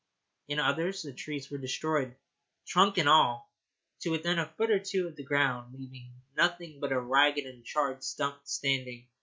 In others the trees were destroyed, trunk and all, to within a foot or two of the ground, leaving nothing but a ragged and charred stump standing.